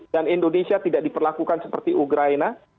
dan indonesia tidak diperlakukan seperti ugraina